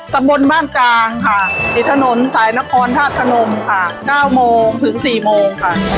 สรรค์สบนบ้านกลางค่ะในถนนสายนครท่านมค่ะ๙นถึง๑๖นค่ะ